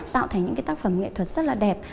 tạo thành những cái tác phẩm nghệ thuật rất là đẹp